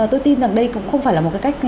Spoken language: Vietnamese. tôi tin rằng đây cũng không phải là một cái cách